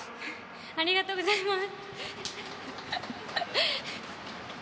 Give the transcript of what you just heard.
ありがとうございます。